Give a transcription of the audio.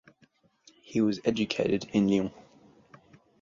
He was educated in Lyon.